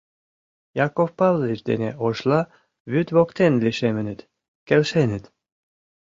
Яков Павлович дене Ошла вӱд воктен лишемыныт, келшеныт.